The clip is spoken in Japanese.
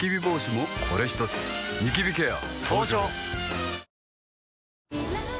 ニキビケア